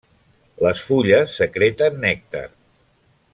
Les fulles secreten nèctar.